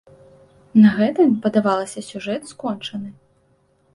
На гэтым, падавалася, сюжэт скончаны.